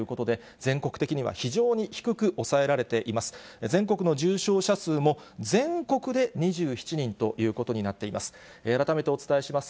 全国の重症者数も、全国で２７人ということになっています。